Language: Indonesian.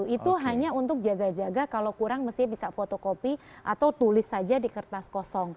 itu hanya untuk jaga jaga kalau kurang mestinya bisa fotokopi atau tulis saja di kertas kosong